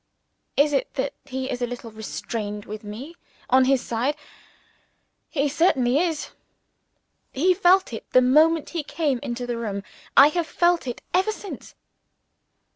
Is it that he is a little restrained with me on his side? He certainly is! I felt it the moment he came into the room I have felt it ever since.